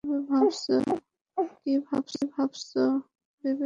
কী ভাববো ভেবেছো?